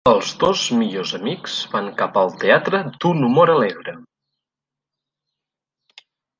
Els dos millors amics van cap al teatre d'un humor alegre.